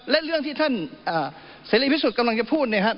และเรื่องที่ท่านเสรีพิสุทธิ์กำลังจะพูดเนี่ยครับ